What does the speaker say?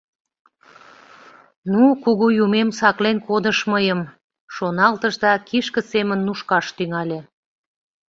«Ну, кугу юмем саклен кодыш мыйым», — шоналтыш да кишке семын нушкаш тӱҥале.